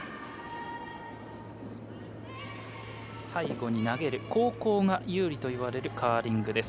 最後に投げる後攻が有利といわれるカーリング。